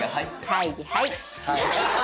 はいはい！